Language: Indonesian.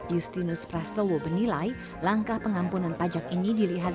justinus praslowo benilai langkah pengampunan pajak ini dilihat